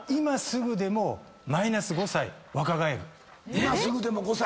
今すぐでも５歳！